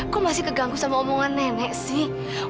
kok masih keganggu sama omongan nenek sih